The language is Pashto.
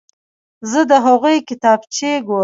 زه د هغوی کتابچې ګورم.